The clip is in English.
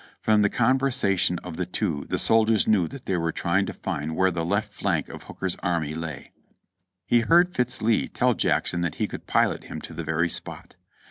From the conversation of the two the soldiers knew that they were trying to find where the left flank of Hooker's army lay. He heard Fitz Lee tell Jackson that he could pilot him to the very spot.